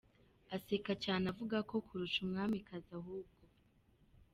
aseka cyane avuga ko ‘kurusha umwamikazi ahubwo’.